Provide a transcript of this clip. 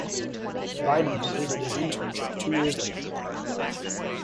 Bainum completed his internship two years later.